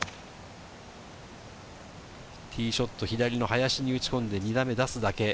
ティーショット、左の林に打ち込んで、２打目出すだけ。